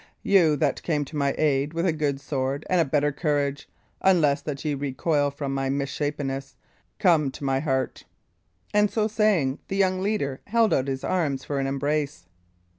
You that came to my aid with a good sword and a better courage unless that ye recoil from my misshapenness come to my heart." And so saying, the young leader held out his arms for an embrace.